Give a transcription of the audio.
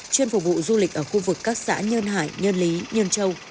chuyên phục vụ du lịch ở khu vực các xã nhơn hải nhơn lý nhơn châu